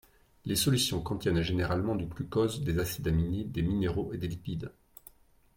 Les solutions contiennent généralement du glucose, des acides aminés, des minéraux et des lipides.